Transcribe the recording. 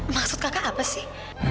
maksud kakak apa sih